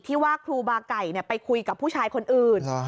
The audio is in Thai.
ว่าครูบาไก่ไปคุยกับผู้ชายคนอื่น